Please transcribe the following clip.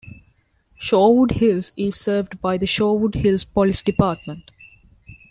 Shorewood Hills is served by the Shorewood Hills Police Department.